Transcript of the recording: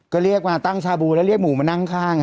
ก็เรียกมาตั้งชาบูแล้วเรียกหมูมานั่งข้าง